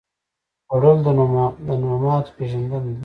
خوړل د نعماتو پېژندنه ده